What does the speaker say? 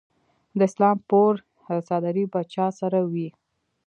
د اسلام پور څادرې به چا سره وي؟